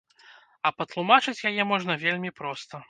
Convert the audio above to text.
А патлумачыць яе можна вельмі проста.